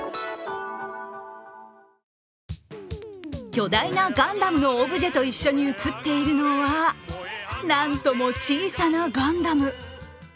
巨大なガンダムのオブジェと一緒に写っているのは何とも小さなガンダム。